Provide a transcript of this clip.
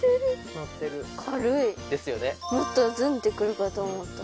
もっとズンッてくるかと思った。